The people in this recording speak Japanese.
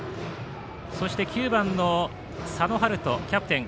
そして９番の佐野春斗キャプテン。